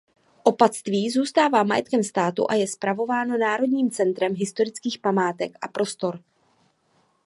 Opatství zůstává majetkem státu a je spravováno Národním centrem historických památek a prostor.